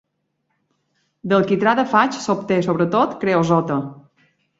Del quitrà de faig s'obté, sobretot, creosota.